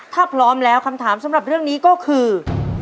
ถ้าพร้อมแล้วคำถามสำหรับเรื่องนี้ก็คือ